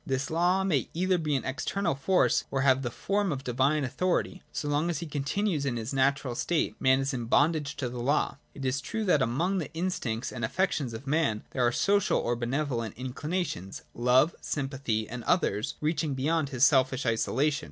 This law may either be an external force, or have the form of divine authority. So long as he continues in his natural state, man is in bondage to the law. — It is true that among the instincts and affections of man, there are social or benevolent inclinations, love, sympathy, and others, reach ing beyond his selfish isolation.